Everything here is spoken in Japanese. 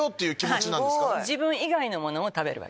自分以外のものを食べる。